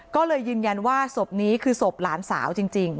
ก็เลยยืนยันว่าศพนี้คือศพหลานสาวจริง